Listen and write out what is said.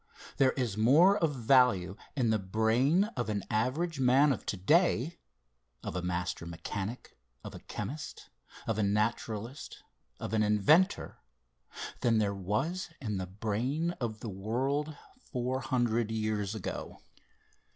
There is more of value in the brain of an average man of to day of a master mechanic, of a chemist, of a naturalist, of an inventor, than there was in the brain of the world four hundred years ago.